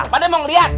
pakde mau liat